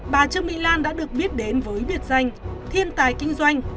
bà trương mỹ lan đã được biết đến với biệt danh thiên tài kinh doanh